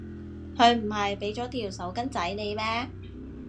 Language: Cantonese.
佢唔係畀咗條手巾仔你咩？